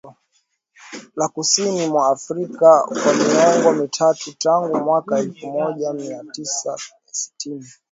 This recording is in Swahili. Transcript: la kusini mwa Afrika kwa miongo mitatu tangu mwaka elfu moja mia tisa sitini